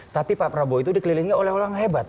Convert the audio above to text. tapi pak prabowo itu dikelilingi oleh orang hebat